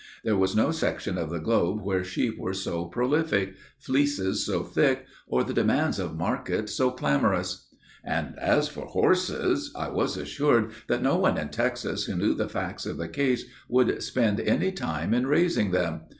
There was no section of the globe where sheep were so prolific, fleeces so thick, or the demands of market so clamorous. And, as for horses, I was assured that no one in Texas who knew the facts of the case would spend any time in raising them.